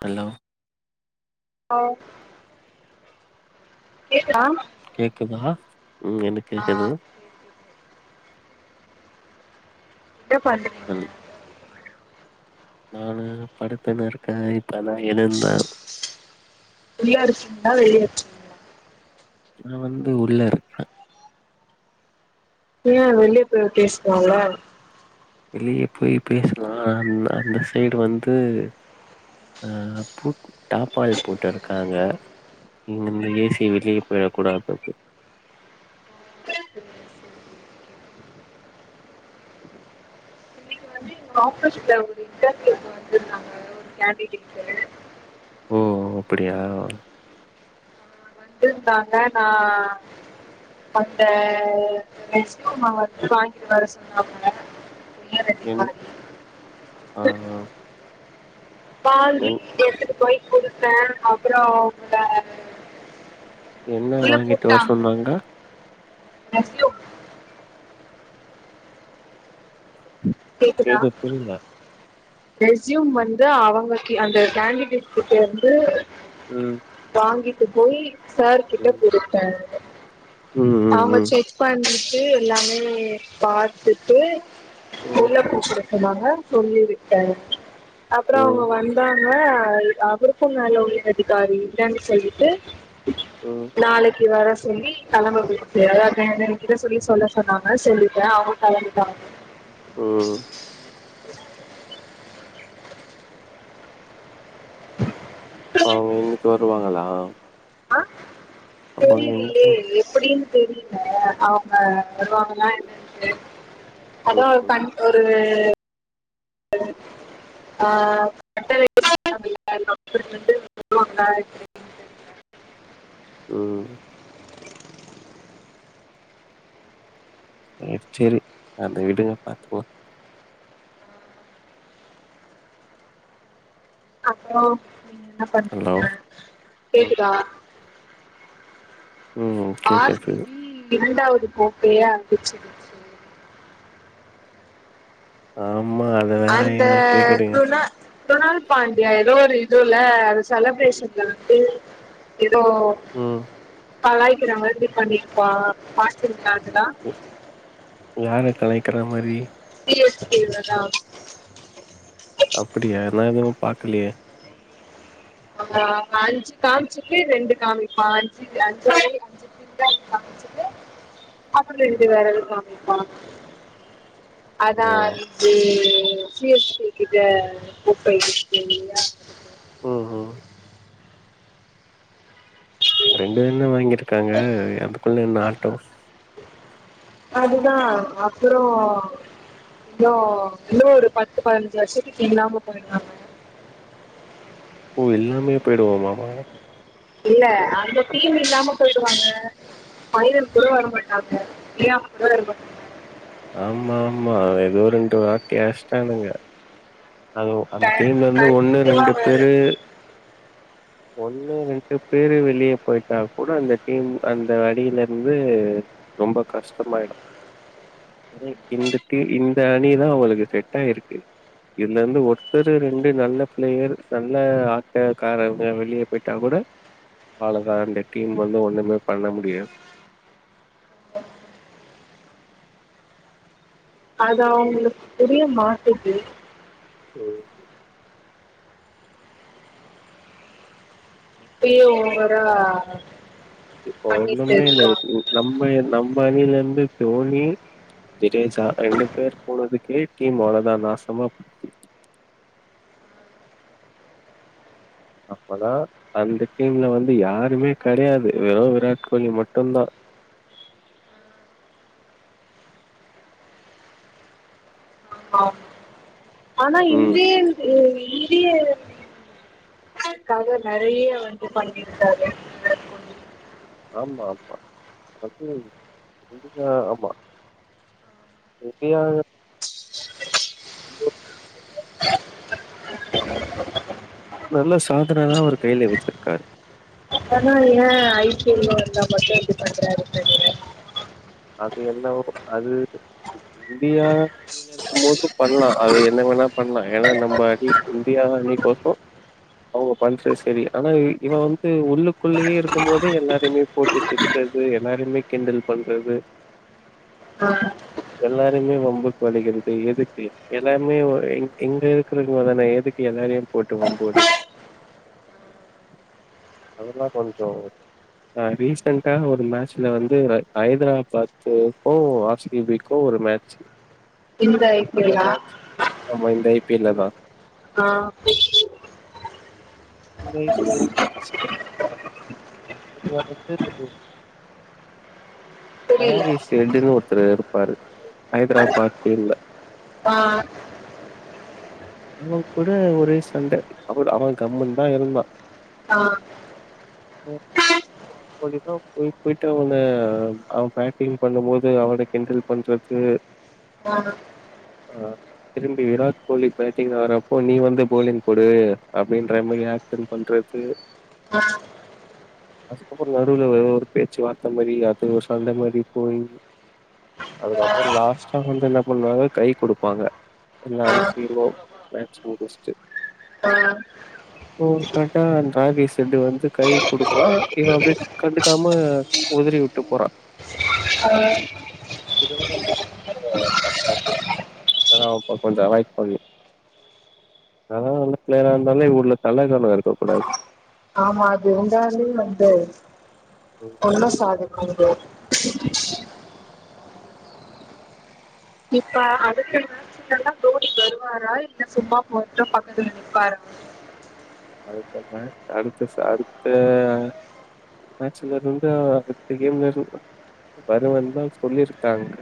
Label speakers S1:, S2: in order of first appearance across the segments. S1: Hello
S2: hello கேக்குதா
S1: கேக்குதா ம் எனக் கேக்குது
S2: இன்னா பண்ட்றீங்
S1: [unintelligible] நானு படுத்துனு இருக்க இப்பதா எழுந்த
S2: உள்ள இருக்கீங்ளா வெளிய இருக்கீங்
S1: நா வந்து உள்ள இருக்கே
S2: ஏ வெளிய போய் பேஸ்லால
S1: வெளிய போய் பேசலா அந் அந்த சைடு வந்து அ பூட் டாப்பால் போட்டுருக்காங்க இங்கந்து ஏசி வெளிய போயரக்கூடாததுக்கு
S2: ஆபீஸ்ல ஒரு இன்டர்வியூ வந்துருந்தாங்க ஒரு கேண்டிடேட்டுக்கு
S1: ஓ ஓ அப்டியா
S2: இருந்தாங்க நா வந்த ரெஸ்க் மா வந்து வாங்கிட்டு வர சொன்னாங்க உயர்
S1: என்
S2: அதிகாரி
S1: ஆ ஆ
S2: வாங்கி
S1: என்
S2: எடுத்துட்டு போய் குடுப்பே அப்றோ அவுங்க
S1: என்ன
S2: உள்ள
S1: வாங்கிட்டு வர
S2: கூப்டாங்க
S1: சொன்னாங்க
S2: ரெஸ்யூம் கேக்குதா
S1: ஏது புரில
S2: ரெஸ்யூம் வந்து அவங்க அந்த கேண்டிடேட் கிட்டருந்து
S1: ம்
S2: வாங்கிட்டு போய் சார் கிட்ட
S1: ம்
S2: குடுப்ப
S1: ம் ம்
S2: அவங்க
S1: ம்
S2: செக் பண்ணிட்டு எல்லாமே பாத்துட்டு
S1: ம்
S2: உள்ள கூப்டு வாங்க சொல்லிருக்கே அப்றோ அவுங்க
S1: ம்
S2: வந்தா ங்க அவருக்கு மேல உயர்காரி இல்வன சொல்லிட்டு
S1: ம்
S2: நாளைக்கு வர சொல்லி கெளம்ப விட்டு அத ஏங்ககிட்ட சொல்லி சொல்ல சொன்னாங்க சொல்லிட்டே அவுங்க கெளம்பிட்டாங்க
S1: ம் அவங்க இன்னைக்கு வருவாங்களா
S2: ஆ
S1: அப்ப அவங்க இன்னைக்கு
S2: தெரியலியே எப்டினு தெரில ஆ ஆ வருவாங்களான்ள
S1: ம்
S2: அதான் பண் ஒரு ஆ [inaudible]
S1: ம் சேர் செரி அந்த விடுங்க பாத்துக்கலா
S2: அப்றோ நீங்க என்ன
S1: ஹலோ
S2: பண்றீங்க
S1: ம்
S2: கேக்குதா
S1: ம்
S2: ஆர் சி
S1: கேக்குது
S2: பி இரண்டாவது கோப்பய ஆடிச்சுது
S1: ஆமா அத வேற ஏ
S2: அந்த
S1: கேக்குறீங்க
S2: குண சுனால் பாண்டியா ஏதோ ஒரு இது இல்ல அது செலப்ரேஷன்ல வன்ட்டு ஏதோ
S1: ம்
S2: கலாய்கிற மாரி பண்ணிருப்பான் பாகிஸ்தானுதா
S1: யார கலாக்கிற மாரி
S2: சி எஸ் கே வ தா
S1: அப்டியா எல்லா நாளும் பாக்கலையே
S2: ஆ அஞ்சு காம்ச்சிட்டு ரெண்டு காமிப்பான் அஞ்சு அஞ்சு ஆஞ்சு இதுதான் காமிச்சிட்டு அப்புள எழுதி வேறெது காமிப்பானா
S1: ஓ
S2: அதான் அது சி எஸ் கே கிட்ட உப்பயகிஹ்யா
S1: ம் ம் ரெண்டு எண்ண வாங்கிருக்காங்க அதுக்குள்ள என்ன ஆட்டவும்
S2: அதுதான் அப்பறோ ப்ரோ இன்னும் ஒரு பத்து பதினஞ்சு வருஷத்துக்கு இல்லாம போய்டுவாங்
S1: ஓ எல்லாமே போயிடுவோம்மா மா
S2: இல்ல அந்த டீம் இல்லாம போய்டுவாங்க மைதன் கூட வர மாட்டாங்க பிரியாம கூட வ
S1: ஆமாம்மா ஏதோ ரெண்டு வாட்டியும் அடிச்சுட்டானுங்க
S2: ட
S1: ஒண்ணு
S2: கன்டிநியூவா
S1: ரெண்டு
S2: வேற
S1: பேரு ஒண்ணு ரெண்டு பேரு வெளியே போயிட்டா கூட அந்த டீம் அந்த வடியில இருந்து ரொம்ப கஷ்டமா ஆயிடு இக்கு இந்த அணிதா அவளுக்கு செட்ட் ஆயிருக்கு இதுல இருந்து ஒருத்தர் ரெண்டு நல்ல பிளேயர் நல்ல ஆட்டக்காரங்க வெளியே போயிட்டா கூட அவ்வளதா அந்த டீம் வந்து ஒண்ணுமே பண்ண முடியாது
S2: அது அவங்களுக்கு புரிய மாட்டுது
S1: ஓ
S2: இப்பயே ஓவரா
S1: இப்ப
S2: பண்ணிட்டு
S1: ஒண்ணுமே இல்ல
S2: இருக்காங்க
S1: நம்ம நம்ம அணியில இருந்து தோனி ஜிடேஜா ரெண்டு பேர் போனதுக்கே டீம் அவ்ளவுதா நாசமா போ அப்பதா அந்த டீம் ல வந்து யாருமே கிடையாது வெறு விராட் கோலி மட்டும் தா
S2: ஆமா ஆனா
S1: ம்
S2: இந்திய க்காக நெறைய வந்து பண்ணிருக்காரு விராட் கோலி
S1: ஆமா அது இதுதா ஆமா [unintelligible] நல்ல சாதன தா அவுரு கையில வச்சிருக்காரு
S2: அப்பனா எய ஐ பி எல் ன்னு வந்தா. மட்டு இப்படி பண்றான்னு தெரில
S1: அது என்னவோ அது முடியா இருக்கும் போது பண்ணலா அது என்ன வேணா பண்ணலா ஏன்னா நம்ம அணி இந்தியா அணிக்கோசர அவுங்க பண்றது சரி ஆனா இவ வந்து உள்ளுக்குள்ளயே இருக்கும் போதே எல்லாருமே போட்டிட்டு திட்டுறது எல்லாருையுமே கிண்டல் பண்றது
S2: ஆஹ
S1: எல்லாருமே வம்புக்கு வளகிறது எதுக்கு எல்லாருமே எங்க இருக்கறவ தான எதுக்கு ப்ப எல்லாரையு போட்டு வம்பு வழக்கன்னு
S2: உஹம்
S1: அதல்லா கொஞ்ச அ ரிசாண்டா ஒரு மேட்சல வந்து ஹைதராபாத் ஹைதராபாத்க்கும் ஆர் சிபி க்கு ஒரு மேட்சி
S2: இந்த ஐ பி
S1: அந்த
S2: எல் லா
S1: மே ஆமா இந்த ஐ பி எல் ல தா
S2: ஆஹ்
S1: [unintelligible] மேட்ச் [unintelligible]
S2: புரியல
S1: பாரிஸ் என்டுன்னு ஒருத்தரு இருப்பாரு ஹைதராபாத் இல்ல
S2: ஆஹ்
S1: அவ கூட ஒரே சண்ட அவ அவ கம்முனு தா இருந்தா ஓ
S2: ஆ
S1: பொழுதென்னிக்கு போய் போய்ட்டு அவனை அவ பேக்கிங் பண்ணும் போது அவனை கிண்டல் பண்றது
S2: [unintelligible]
S1: ஆ திரும்பி விராட் கோலி பேட்டிங் ஆர்றப்போ நீ வந்து போலிங் போடு அப்டின்ற மாதிரி ஆகஷன் பண்றது
S2: ஆ
S1: அதுக்கப்பற நடுல ஒரு பேச்சு வார்த்த மாதிரி அது ஒரு சண்ட மாதிரி போய்
S2: [unintelligible]
S1: அதுக்கப்பற லாஸ்ட்டா வந்து என்ன பண்ணுவாங்க கை கொடுப்பாங்க எல்லாரு [inaudible]
S2: அ [inaudible]
S1: ஓ [unintelligible] செண்டு வந்து கை குடுக்குறா இவ அப்டியே கண்டுக்காம மாதிரி விட்டு போற இதெல்லாம்
S2: [inaudible]
S1: தப்பா
S2: அ
S1: ஓகே அதலா நல்ல ப்ளேயரா இருந்தாலு எங்க ஊர்ல தலக்கனோ இருக்க கூடாது
S2: ஆமா அது உங்களாலு வந்து
S1: ம்.
S2: ஒன்னு சாத [inaudible] இப்ப அடுத்து எலக்சன்ல மோடி வருவாரா இல்ல சும்மா போட்டுன் பக்கத்துல நிப்பாரா
S1: அடுத்த ச அடுத்த ச அடுத்த மேட்ச்ல இருந்து அடுத்த கேம்ல இருந் வருவந்தா சொல்லிருக்காங்க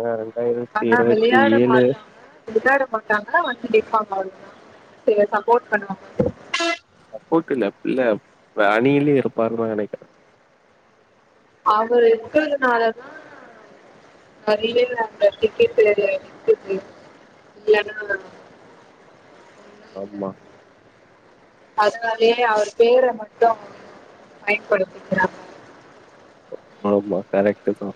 S1: ஆ ரெண்டாயிரத்தி
S2: ஆனா
S1: இருவத்தி
S2: விளையாட
S1: ஏழு
S2: மாட்டாங்க விளையாட மாட்டாங்க வந்து நிப்பாங்க அவ்ளதா சப்போர்ட் பண்ணுவாங்க
S1: சப்போர்ட் இல்ல இல்ல அணியிலே இருப்பாங்க நெனைக்கிறே
S2: அவரு இருக்கிற நாளதா அறிவே இல்ல [unintelligible] டிக்கெட்டு [unintelligible]
S1: ஆமா
S2: அதனாலேயே அவர் பேர மட்டு பயன்படுத்திக்கிறாங்க
S1: ஆமா கரெக்டுதா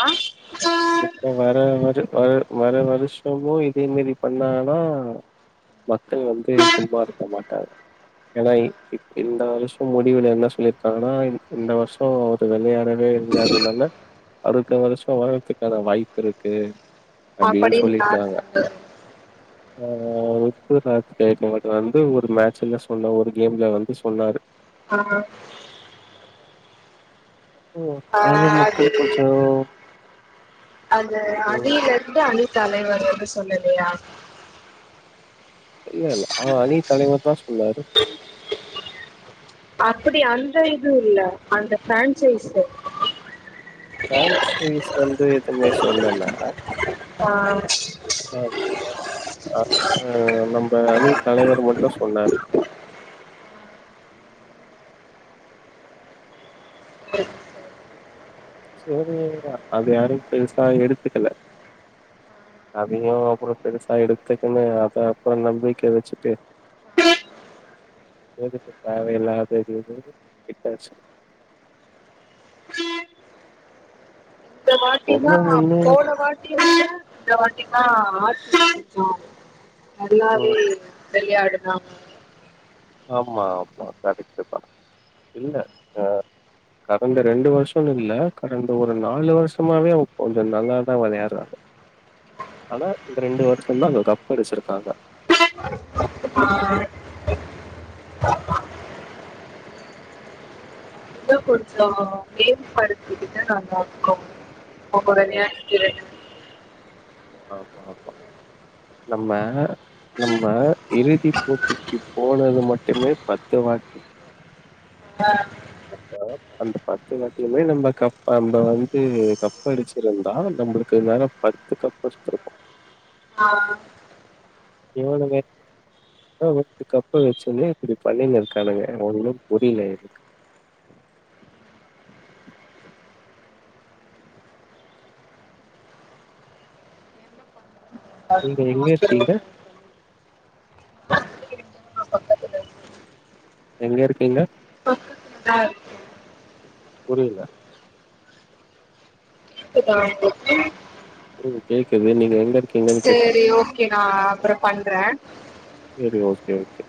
S2: ஆ ஆஹ
S1: இப்ப வர வர வ வர வருஷமு இதே மேரி பண்ணாங்கனா மக்கள் வந்து சும்மா இருக்க மாட்டாங்க ஏனா இ இ இந்த வருஷம் முடிவுல என்ன சொல்லிருக்காங்கன்னா இந்த வர்ஷோ வெளையாடவே இருல்லாததுனால அடுத்த வர்ஷோ வர்றத்துக்கான வாய்ப்பு இருக்கு அப்டின்னு
S2: அப்படின்னு யார்
S1: சொல்லிட்டாங்க
S2: சொன்னது
S1: ஆ [unintelligible] வந்து ஒரு மேட்சல்ல சொன்ன ஒரு கேம்ல வந்து சொன்னாரு
S2: ஆ
S1: ஓ அது மக்கள் கொஞ்சோ
S2: அது அணில இருந்து அணித் தலைவர் எது சொல்லலையா
S1: இல்ல இல்ல ஆனா அணி தலைவர் தா சொன்னாரு
S2: அப்டி அந்த இது இல்ல அந்த பிரான்சைஸ்சு
S1: பிரான்சைஸ் வந்து எதுமே சொல்லல
S2: ஆ
S1: [unintelligible] ஆனா நம்ம அணி தலைவர் மட்டு சொன்னாரு சேரி அது யாரு பெருசா எடுத்துக்கல அதயு அப்பறோ பெருசா எடுத்துக்குன்னு அத அப்பறோ நம்பிக்க வச்சுட்டு
S2: [inaudible]
S1: எதுக்கு தேவையில்லாததுன்னு விட்டாச்சு
S2: இந்த வாட்டிதா
S1: ஒண்ணு ஒண்ணு
S2: போனா வாட் இந்த வாட்டி தா ஆச்சி ஜெய்ச்சோ நல்லாவே
S1: ம்
S2: வெளையாடுதாம்
S1: ஆமா ஆமா கரெக்ட்டுதா இல்ல ஆ கடந்த ரெண்டு வர்ஷோனு இல்ல கடந்த ஒரு நாலு வர்ஷமாவே அவ கொஞ்ச நல்லாதா வெளையாட்றா ஆனா இந்த ரெண்டு வருஷந்தா அவுங்க கப்படிச்சிருக்காங்க
S2: ஆ இன்னு கொஞ்சொ மேம்படுத்திகிட்டா நல்லார்க்கு அவுங்க
S1: ஆமா
S2: வெளயாட்டு திறன்
S1: ஆமா ஆமா நம்ம நம்ம இறுதி போட்டிக்கு போனது மட்டுமே பத்து வாட்டி
S2: அ
S1: அப்ப அந்த பத்து வாட்டிமே நம்ப கப் நம்ப வந்து கப்படிச்சிருந்தா நம்பளுக்கு இந்நேரொ பத்து கப் இருந்திருக்கு
S2: ஆ
S1: இவனுமே எவ ஊட்டு கப்ப வச்சினே இப்டி பன்னுனு இருக்கானுங்க ஒன்னு புரில எனக்கு
S2: எல்லாரும்
S1: நீங்க எங்க
S2: பார்க்கணும்னு
S1: இருக்கீங்க
S2: இருக்கோம். பக்கத்துல
S1: எங்கருக்கீங்க
S2: நா
S1: புரியல
S2: க்குதா உங்களுக்கு
S1: ம் கேக்குது நீங்க எங்கரு
S2: சரி ஓகே நா அப்பற பண்ற
S1: சரி ஓகே ஓகே